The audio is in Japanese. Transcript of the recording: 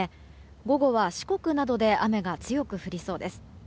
午後は、四国などで雨が強く降りそうです。